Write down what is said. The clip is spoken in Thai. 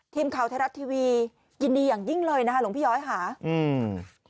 ทีมข่าวไทยรัฐทีวียินดีอย่างยิ่งเลยนะคะหลวงพี่ย้อยค่ะอืม